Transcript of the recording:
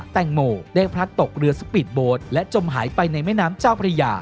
แตงโมได้พลัดตกเรือสปีดโบสต์และจมหายไปในแม่น้ำเจ้าพระยา